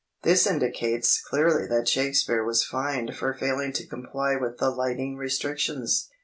This indicates clearly that Shakespeare was fined for failing to comply with the Lighting Restrictions.